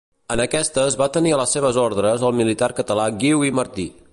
En aquestes va tenir a les seves ordres el militar català Guiu i Martí.